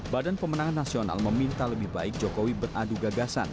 badan pemenangan nasional meminta lebih baik jokowi beradu gagasan